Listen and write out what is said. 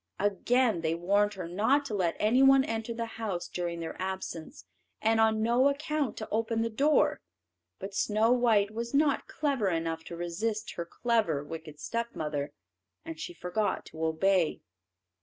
Again they warned her not to let anyone enter the house during their absence, and on no account to open the door; but Snow white was not clever enough to resist her clever wicked stepmother, and she forgot to obey.